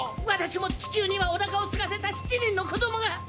私も地球にはおなかをすかせた７人の子供が！